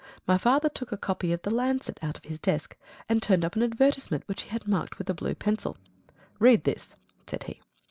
My father took a copy of the Lancet out of his desk, and turned up an advertisement which he had marked with a blue pencil. "Read this!" said he.